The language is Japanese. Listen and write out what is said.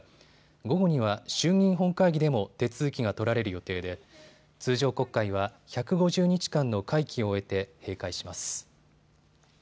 午後には衆議院本会議でも手続きが取られる予定で通常国会は１５０日間の会期を終えて閉会します。